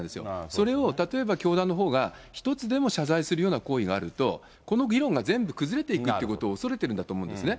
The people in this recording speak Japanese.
それを例えば教団のほうが一つでも謝罪するような行為があると、この議論が全部崩れていくってことを恐れてるんだと思うんですね。